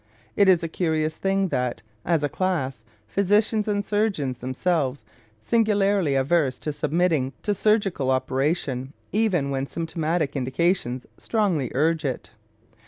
It is a curious thing that, as a class, physicians and surgeons are themselves singularly averse to submitting to surgical operation, even when symptomatic indications strongly urge it.